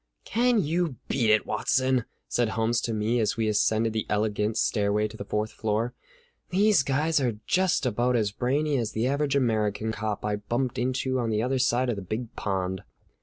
"Can you beat it, Watson?" said Holmes to me as we ascended the elegant stairway to the fourth floor. "These guys are just about as brainy as the average American cop I bumped into on the other side of the Big Pond."